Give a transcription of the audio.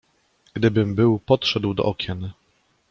"Gdybym był podszedł do okien!"